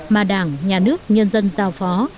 mà đảng nhà nước nhân dân giao phó